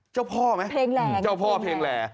เจ้าพ่อมั้ยเจ้าพ่อเพลงแหล